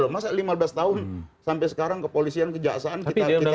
masa lima belas tahun sampai sekarang kepolisian kejaksaan kita tidak